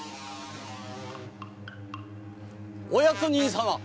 ・お役人様！